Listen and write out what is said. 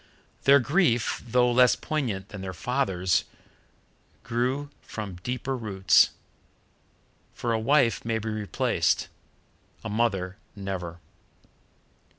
Their grief, though less poignant than their father's, grew from deeper roots, for a wife may be replaced; a mother never.